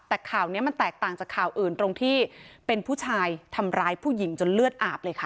แต่ข่าวนี้มันแตกต่างจากข่าวอื่นตรงที่เป็นผู้ชายทำร้ายผู้หญิงจนเลือดอาบเลยค่ะ